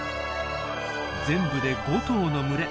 全部で５頭の群れ。